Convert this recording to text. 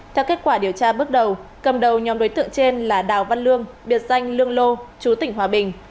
theo kết quả điều tra bước đầu cầm đầu nhóm đối tượng trên là đào văn lương biệt danh lương lô chú tỉnh hòa bình